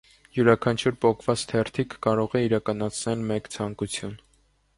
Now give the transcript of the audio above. Յուրաքանչյուր պոկված թերթիկ կարող է իրականացնել մեկ ցանկություն։